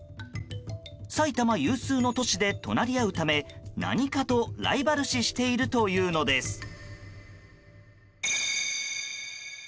埼玉有数の都市で隣り合うため何かとライバル視しているというのです。